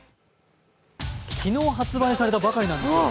昨日発売されたばかりなんですよね。